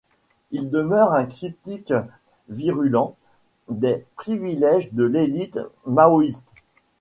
Il demeure un critique virulent des privilèges de l'élite maoïste.